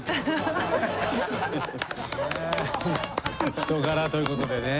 人柄ということでね。